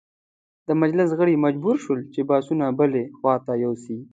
د مجلس غړي مجبور شول چې بحثونه بلې خواته یوسي.